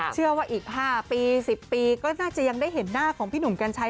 เชื่อว่าอีก๕ปี๑๐ปีก็น่าจะยังได้เห็นหน้าของพี่หนุ่มกัญชัย